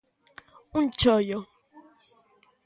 Un choio.